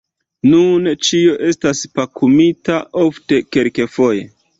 Nun ĉio estas pakumita, ofte kelkfoje!